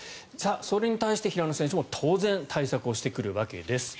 それに対して平野選手も当然、対策をしてくるわけです。